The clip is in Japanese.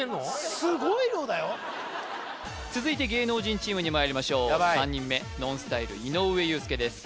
すごい量だよ続いて芸能人チームにまいりましょう３人目ＮＯＮＳＴＹＬＥ井上裕介です